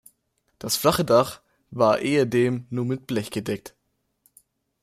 Das flache Dach war ehedem nur mit Blech gedeckt.